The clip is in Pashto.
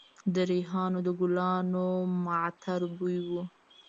د ریحانو د ګلانو معطر بوی و